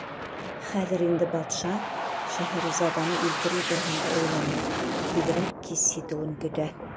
Хәҙер инде батша Шәһрезаданы үлтереү тураһында уйламай, тиҙерәк кис етеүен көтә.